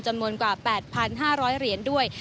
จำนวนกว่า๘๕๐๐เหรียญด้วย